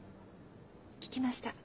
聞きました。